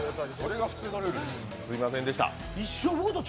すみませんでした。